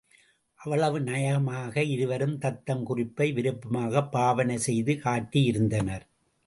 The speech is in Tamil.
அவ்வளவு நயமாக இருவரும் தத்தம் குறிப்பை விருப்பமாகப் பாவனை செய்து காட்டியிருந்தனர்.